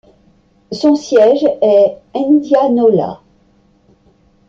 Son siège est Indianola.